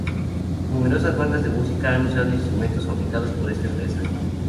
Numerosas bandas de música han usado instrumentos fabricados por esta empresa.